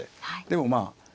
でもまあ。